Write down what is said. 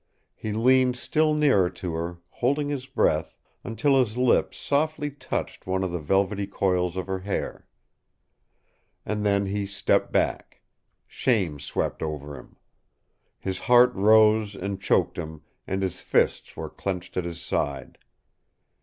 He leaned still nearer to her, holding his breath, until his lips softly touched one of the velvety coils of her hair. And then he stepped back. Shame swept over him. His heart rose and choked him, and his fists were clenched at his side.